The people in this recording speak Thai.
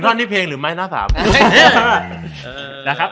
๑ท่อนนี่เพลงหรือไม้หน้าสาม